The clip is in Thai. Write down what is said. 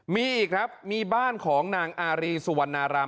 มีอีกครับมีบ้านของนางอารีสุวรรณาราม